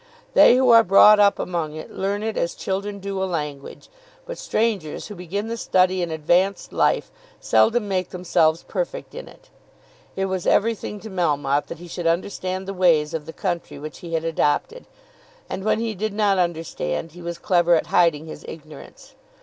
They who are brought up among it, learn it as children do a language, but strangers who begin the study in advanced life, seldom make themselves perfect in it. It was everything to Melmotte that he should understand the ways of the country which he had adopted; and when he did not understand, he was clever at hiding his ignorance.